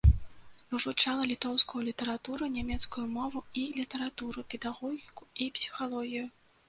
Вывучала літоўскую літаратуру, нямецкую мову і літаратуру, педагогіку і псіхалогію.